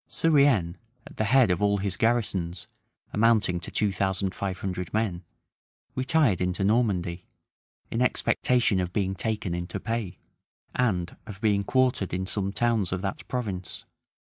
Surienne, at the head of all his garrisons, amounting to two thousand five hundred men, retired into Normandy, in expectation of being taken into pay, and of being quartered in some towns of that province.